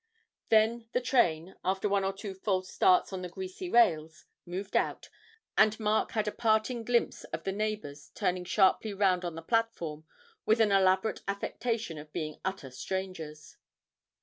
Then the train, after one or two false starts on the greasy rails, moved out, and Mark had a parting glimpse of the neighbours turning sharply round on the platform with an elaborate affectation of being utter strangers.